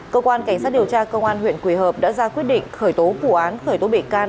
cơ quan cảnh sát điều tra công an huyện quỳ hợp đã ra quyết định khởi tố vụ án khởi tố bị can